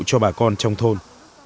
cho bà con trong thôn